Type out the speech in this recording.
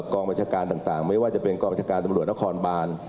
กองบัญชาการต่างไม่ว่าจะเป็นกองบัญชาการตำรวจนครบาน